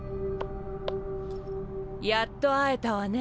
やっと会えたわね。